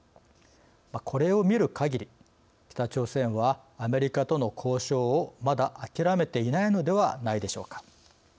これを見るかぎり北朝鮮はアメリカとの交渉をまだ諦めていないのではないでしょうか。